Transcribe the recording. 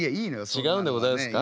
違うんでございますか。